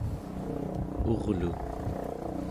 urlu